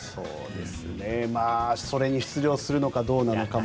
それに出場するのかどうなのかも。